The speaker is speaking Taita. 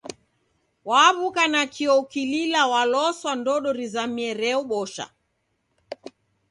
Waw'uka nakio ukilila waloswa ndodo rizamie reobosha.